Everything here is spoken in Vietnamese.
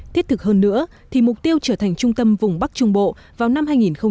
thiết thực hơn nữa thì mục tiêu trở thành trung tâm vùng bắc trung bộ vào năm hai nghìn ba mươi